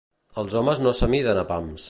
Els homes no s'amiden a pams.